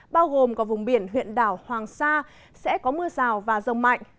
bao gồm cả vùng biển huyện đảo hoàng sa sẽ có mưa rào và rông mạnh